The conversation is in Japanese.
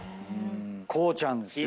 光ちゃんですよ。